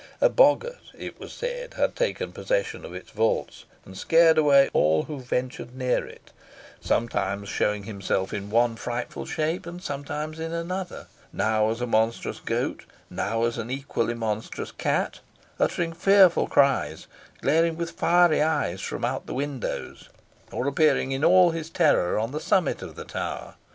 A boggart, it was said, had taken possession of its vaults, and scared away all who ventured near it; sometimes showing himself in one frightful shape, and sometimes in another; now as a monstrous goat, now as an equally monstrous cat, uttering fearful cries, glaring with fiery eyes from out of the windows, or appearing in all his terror on the summit of the tower.